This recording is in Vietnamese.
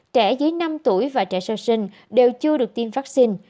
trẻ dưới năm tuổi và trẻ sơ sinh đều chưa được tiêm vaccine